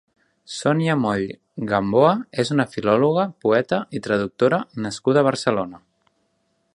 Sònia Moll Gamboa és una filòloga, poeta i traductora nascuda a Barcelona.